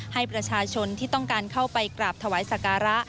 ให้ประชาชนที่ต้องการเข้าไปกราบถวายสการะ